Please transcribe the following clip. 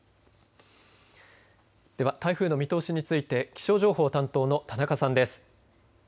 では台風の見通しについて気象情報担当の田中さんです。